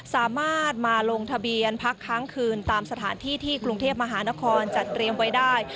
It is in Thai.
สามารถมาลงทะเบียนพักค้างคืนตามสถานที่ที่กรุงเทพมหานครจัดเตรียมไว้ได้